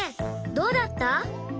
どうだった？